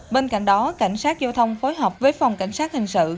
bên cạnh đó cảnh sát giao thông phối hợp với phòng cảnh sát hình sự